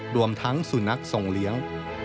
รวมทั้งสุนัขทรงเลี้ยง